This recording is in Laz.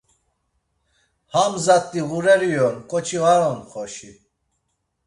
Ham zat̆i ğureri on, k̆oçi var on xoşi.